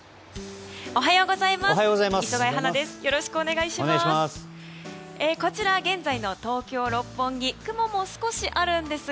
おはようございます。